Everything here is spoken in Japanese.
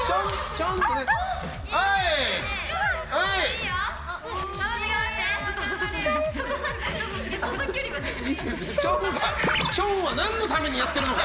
チョンは何のためにやってるのか。